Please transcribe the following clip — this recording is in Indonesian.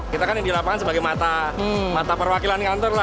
kita kan di lapangan sebagai mata perwakilan kantor